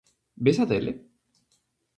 Ves a tele?